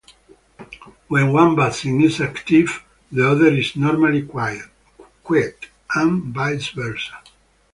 When one basin is active, the other is normally quiet, and vice versa.